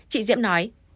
chị diệm nói